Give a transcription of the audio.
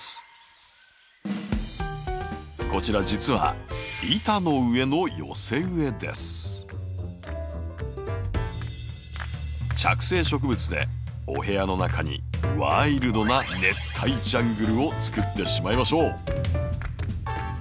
こちら実は着生植物でお部屋の中にワイルドな熱帯ジャングルをつくってしまいましょう！